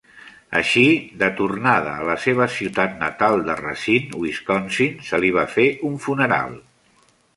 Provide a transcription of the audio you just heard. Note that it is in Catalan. Així, de tornada a la seva ciutat natal de Racine, Wisconsin, se li va fer un funeral.